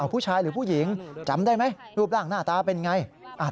ผู้ชายหรือผู้หญิงจำได้ไหมรูปร่างหน้าตาเป็นไง